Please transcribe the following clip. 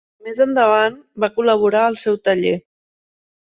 Més endavant va col·laborar al seu taller.